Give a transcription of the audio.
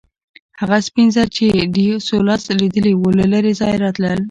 هغه سپین زر چې ډي سولس لیدلي وو له لرې ځایه راتلل.